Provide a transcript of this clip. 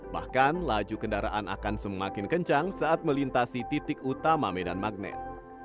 bahkan laju kendaraan akan semakin kencang saat melintasi titik utama medan magnet